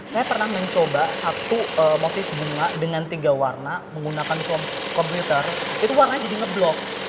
saya pernah mencoba satu motif bunga dengan tiga warna menggunakan komputer itu warnanya jadi ngeblok